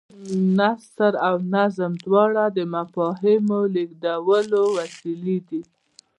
نثر او نظم دواړه د مفاهیمو د لېږدولو وسیلې دي.